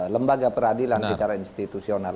lembaga peradilan secara institusional